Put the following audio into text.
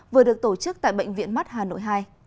vừa được tổ chức tại bệnh viện mắt hà nội hai